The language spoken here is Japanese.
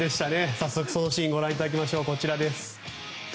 早速そのシーンご覧いただきましょう。